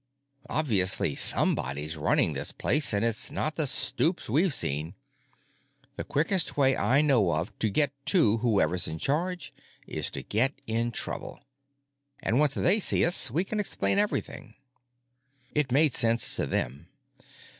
Obviously somebody's running this place—and it's not the stoops we've seen. The quickest way I know of to get to whoever's in charge is to get in trouble. And once they see us we can explain everything." It made sense to them.